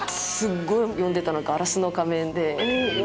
すっごい読んでたのが『ガラスの仮面』で。